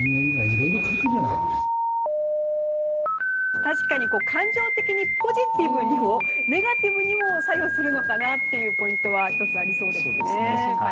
確かに感情的にポジティブにもネガティブにも左右するのかなというポイントはありそうですね。